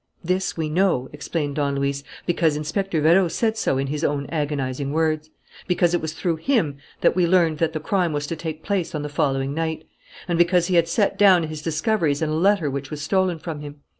"This we know," explained Don Luis, "because Inspector Vérot said so in his own agonizing words; because it was through him that we learned that the crime was to take place on the following night; and because he had set down his discoveries in a letter which was stolen from him.